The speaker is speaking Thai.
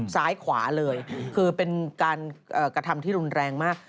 ซ้ายขวาเลยคือเป็นการกระทำที่รุนแรงมาก